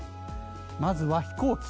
まずは飛行機。